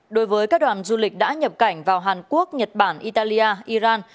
đối với các đoàn du lịch đã nhập cảnh vào hàn quốc nhật bản italia iran